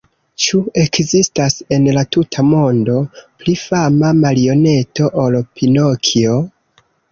Ĉu ekzistas, en la tuta mondo, pli fama marioneto ol Pinokjo?